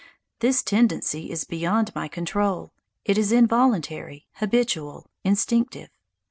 This tendency is beyond my control; it is involuntary, habitual, instinctive.